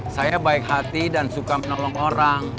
saya baik hati dan suka menolong orang